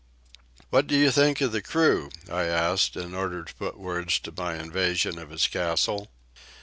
"What do you think of the crew?" I asked, in order to put words to my invasion of his castle.